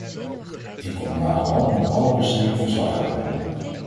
Ik kom naderhand met alle plezier verslag uitbrengen.